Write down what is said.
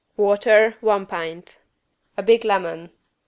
Water, one pint. A big lemon.